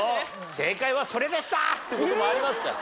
「正解はそれでした！」って事もありますから。